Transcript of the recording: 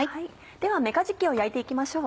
ではめかじきを焼いて行きましょう。